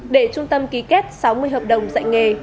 để trung tâm ký kết sáu mươi hợp đồng dạy nghề